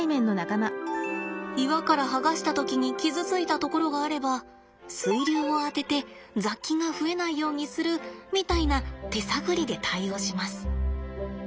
岩から剥がした時に傷ついたところがあれば水流を当てて雑菌が増えないようにするみたいな手探りで対応します。